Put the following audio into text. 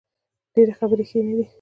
ډیرې خبرې ښې نه دي